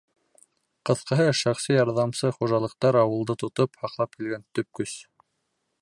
Ҡыҫҡаһы, шәхси ярҙамсы хужалыҡтар — ауылды тотоп, һаҡлап килгән төп көс.